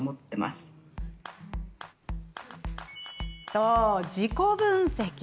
そう、自己分析。